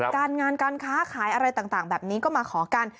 การงานการค้าขายอะไรต่างแบบนี้ก็มาขอกัน